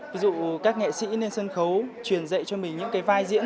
ví dụ các nghệ sĩ lên sân khấu truyền dạy cho mình những cái vai diễn